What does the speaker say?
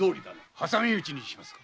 挟み撃ちにしますか？